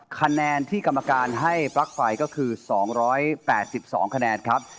คะแนนที่กรรมการให้ปลั๊กไฟก็คือ๒๘๒คะแนนครับ